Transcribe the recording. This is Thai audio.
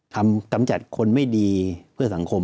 กำจัดคนไม่ดีเพื่อสังคม